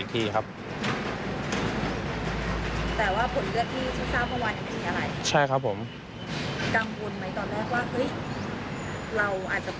เราอาจจะเป็นเชื้อหรือเปล่า